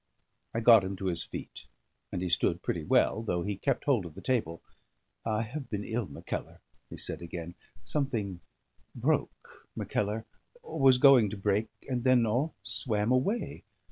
I got him to his feet, and he stood pretty well, though he kept hold of the table. "I have been ill, Mackellar," he said again. "Something broke, Mackellar or was going to break, and then all swam away.